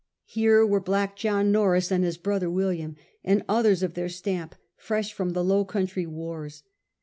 Here were Black John Norreys and his brother William, and others of their stamp fresh from the Low Country wars.